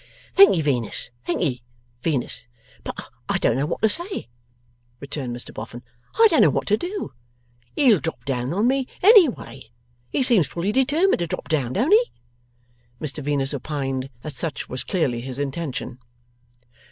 'Thank'ee, Venus, thank'ee, Venus; but I don't know what to say,' returned Mr Boffin, 'I don't know what to do. He'll drop down on me any way. He seems fully determined to drop down; don't he?' Mr Venus opined that such was clearly his intention.